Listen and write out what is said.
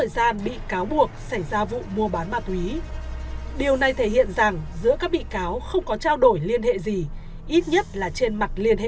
điều này thể hiện rằng giữa các bị cáo không có trao đổi liên hệ gì ít nhất là trên mặt liên hệ